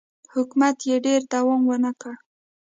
حکومت یې ډېر دوام ونه کړ.